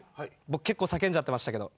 僕結構叫んじゃってましたけど。